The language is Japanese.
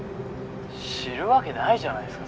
知るわけないじゃないですか